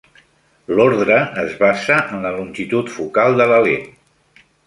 L'ordre es basa en la longitud focal de la lent.